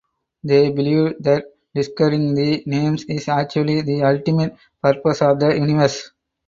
They believe that discovering the names is actually the ultimate purpose of the Universe.